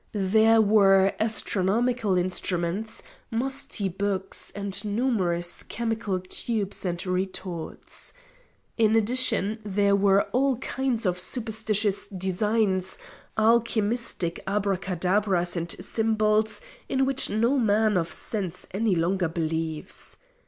There were astronomical instruments, musty books, and numerous chemical tubes and retorts. In addition there were all kinds of superstitious designs, alchemistic abracadabras and symbols, in which no man of sense any longer believes.